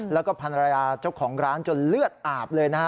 และพรรณรยาเจ้าของร้านจนเลือดอาบ